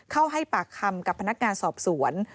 ให้ปากคำกับพนักงานสอบสวน